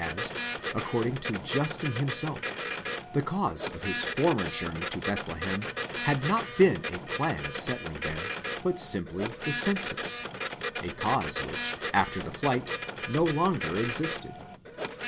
as, according to Justin himself, the cause of his former journey to Bethlehem had not been a plan of setthng there, but simply the census—a cause which, after the flight, no longer existed.